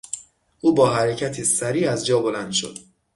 او با حرکتی سریع از جا بلند شد.